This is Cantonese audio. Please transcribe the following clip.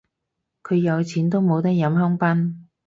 咁有錢都冇得飲香檳